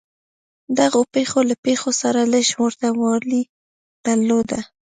دغو پېښو له پېښو سره لږ ورته والی درلود.